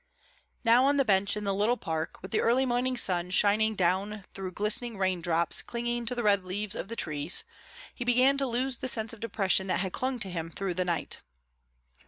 Now on the bench in the little park, with the early morning sun shining down through the glistening rain drops clinging to the red leaves of the trees, he began to lose the sense of depression that had clung to him through the night.